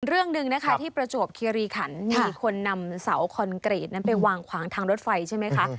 เรื่องหนึ่งนะคะที่ประจวบคิริขันมีคนนำเสาคอนกรีตนั้นไปวางขวางทางรถไฟใช่ไหมคะ